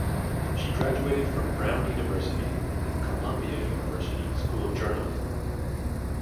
She graduated from Brown University and Columbia University School of Journalism.